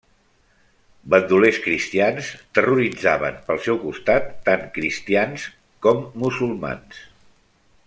Bandolers cristians terroritzaven pel seu costat tant cristians com musulmans.